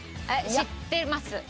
知ってます。